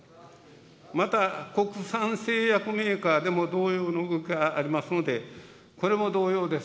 また国産製薬メーカーでも同様の動きがありますので、これも同様です。